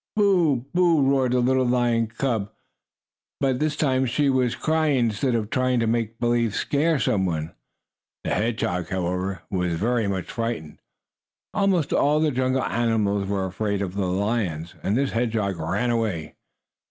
"Boo! Boo!" roared the little lion cub girl, but this time she was crying instead of trying to make believe scare some one. The hedgehog, however, was very much frightened almost all the jungle animals were afraid of the lions and this hedgehog ran away.